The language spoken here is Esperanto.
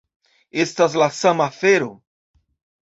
Estas la sama afero.